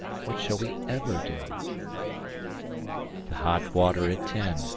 What shall we ever do?" The hot water at ten.